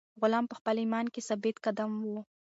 غلام په خپل ایمان کې ثابت قدم و.